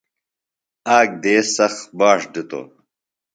آک دیس سخت باݜ دِتوۡ۔